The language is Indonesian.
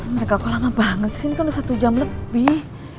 ndraka kok lama banget sih ini kan udah satu jam lebih